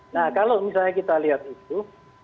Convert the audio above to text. nah kalau misalnya kita lihat itu